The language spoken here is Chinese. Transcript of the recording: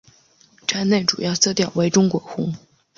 站内主要色调为中国红。